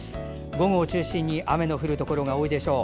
午後を中心に雨の降るところが多いでしょう。